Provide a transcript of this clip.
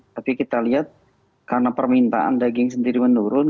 tapi kita lihat karena permintaan daging sendiri menurun